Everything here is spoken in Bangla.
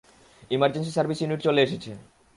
ইমার্জেন্সি সার্ভিস ইউনিট চলে এসেছে।